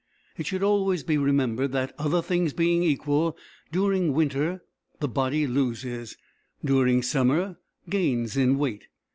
It should always be remembered that, other things being equal, during winter the body loses, during summer gains in weight.